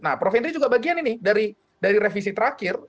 nah prof henry juga bagian ini dari revisi terakhir